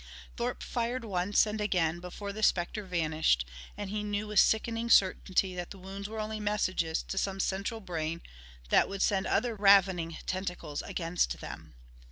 Thorpe fired once and again before the specter vanished, and he knew with sickening certainty that the wounds were only messages to some central brain that would send other ravening tentacles against them.